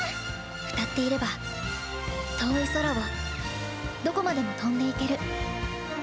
歌っていれば遠い空をどこまでも飛んでいける。